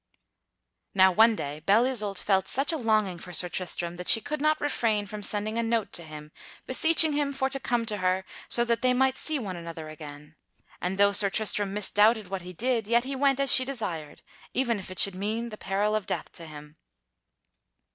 Now one day Belle Isoult felt such a longing for Sir Tristram that she could not refrain from sending a note to him beseeching him for to come to her so that they might see one another again; and though Sir Tristram misdoubted what he did, yet he went as she desired, even if it should mean the peril of death to him.